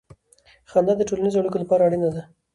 خندا د ټولنیزو اړیکو لپاره اړینه ده.